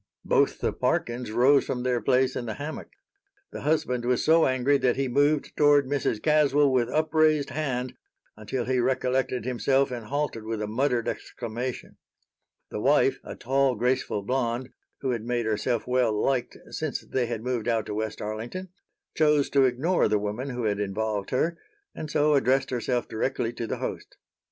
Both the Parkins rose from their place in the hammock. The husband was so angry that he moved toward Mrs. Caswell with upraised hand until he recollected himself and halted with a muttered exclamation. The wife, a tall, graceful blonde, who had made herself well liked since they had moved out to West Arlington, chose to ignore the woman who had involved her, and so addressed herself directly to the host.